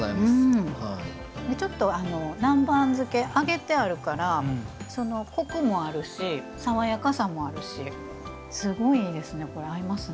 ちょっと南蛮漬け揚げてあるからコクもあるし爽やかさもあるしすごいですね。